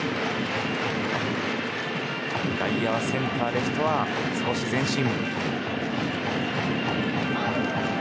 外野はセンター、レフトは少し前進。